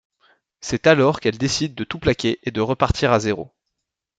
C’est alors qu’elle décide de tout plaquer et de repartir à zéro.